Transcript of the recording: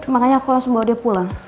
makanya aku langsung bawa dia pulang